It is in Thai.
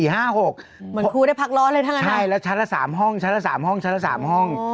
ครูได้พักร้อนเลยทั้งนั้นใช่แล้วชั้นละ๓ห้องชั้นละ๓ห้องชั้นละ๓ห้อง